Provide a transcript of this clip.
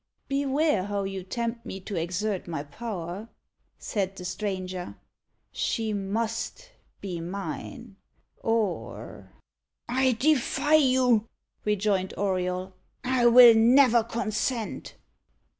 "Beware how you tempt me to exert my power," said the stranger; "she must be mine or " "I defy you!" rejoined Auriol; "I will never consent."